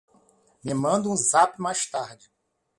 Me manda um zap mais tarde